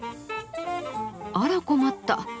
あら困った。